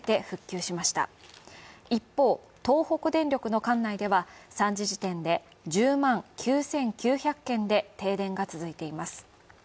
一方、東北電力の管内では３時時点で１０万９９００軒で停電が続いています。